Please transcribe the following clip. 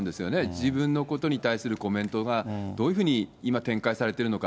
自分のことに対するコメントがどういうふうに今展開されているのか。